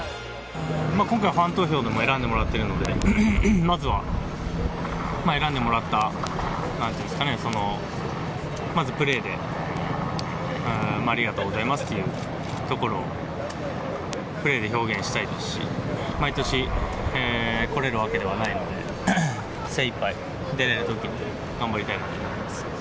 今回、ファン投票でも選んでもらってるのでね、まずは選んでもらった、なんて言うんですかね、まずプレーで、ありがとうございますというところをプレーで表現したいですし、毎年来れるわけではないので、精いっぱい出れるときに頑張りたいなと思います。